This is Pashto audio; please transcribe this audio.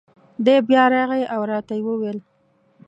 دی بیا راغی او را ته یې وویل: